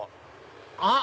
あっ！